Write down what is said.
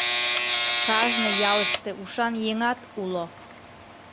Кажне ялыште ушан еҥат уло.